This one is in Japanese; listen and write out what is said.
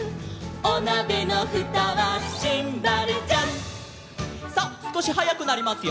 「おなべのふたはシンバルジャン」さあすこしはやくなりますよ。